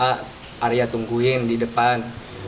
arya tungguin di depan